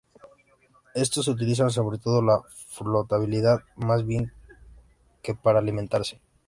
Estos se utilizan sobre todo para la flotabilidad, más bien que para alimentarse.